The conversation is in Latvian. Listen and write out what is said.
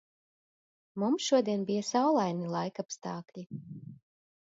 Mums šodien bija saulaini laikapstākļi.